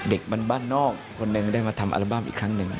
เด็กมันบ้านนอกคนหนึ่งได้มาทำอัลบั้มอีกครั้งหนึ่ง